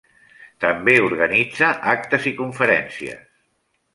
També organitza actes i conferències.